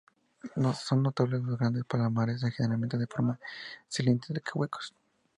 Son notables los grandes palomares, generalmente de forma cilíndrica, huecos.